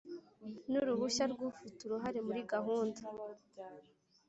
nuruhushya rw ufite uruhare muri gahunda